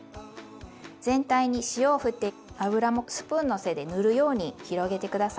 全体に塩をふって油もスプーンの背で塗るように広げて下さい。